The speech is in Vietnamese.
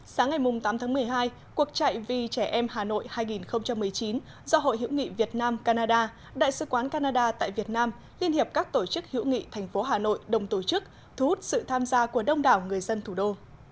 sáng ngày tám tháng một mươi hai cuộc chạy vì trẻ em hà nội hai nghìn một mươi chín do hội hiểu nghị việt nam canada đại sứ quán canada tại việt nam liên hiệp các tổ chức hữu nghị thành phố hà nội đồng tổ chức thu hút sự tham gia của đông đảo người dân thủ đô